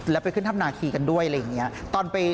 แล้วไปขึ้นถ้ำนาคีกันด้วยอะไรอย่างนี้